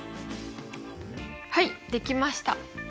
はいできました。